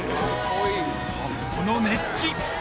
この熱気！